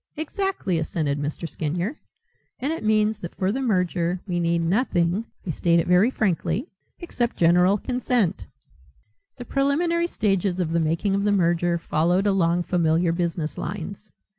"Exactly," assented Mr. Skinyer, "and it means that for the merger we need nothing I state it very frankly except general consent." The preliminary stages of the making of the merger followed along familiar business lines.